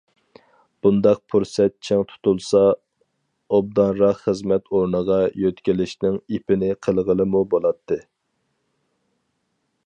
بۇنداق پۇرسەت چىڭ تۇتۇلسا، ئوبدانراق خىزمەت ئورنىغا يۆتكىلىشنىڭ ئېپىنى قىلغىلىمۇ بولاتتى.